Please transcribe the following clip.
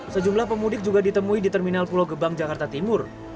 sejumlah pemudik juga ditemui di terminal pulau gebang jakarta timur